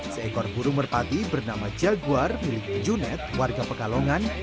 seekor burung merpati bernama jaguar milik junet warga pekalongan